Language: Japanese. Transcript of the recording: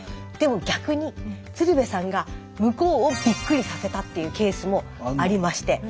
でも逆に鶴瓶さんが向こうをびっくりさせたっていうケースもありまして。